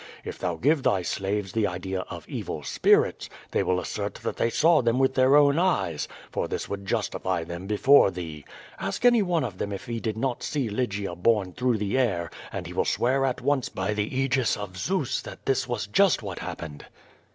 If thou give thy slaves the idea of evil spirits, they will assert that they saw them with their own eyes, for this would justify them before thee. Ask any one of them if he did not see Lygia borne through the air, and he will swear at once by the Aegis of Zeus that this was just what happened.'